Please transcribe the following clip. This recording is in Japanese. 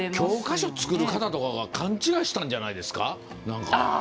教科書作る方とかが勘違いしたんじゃないですか？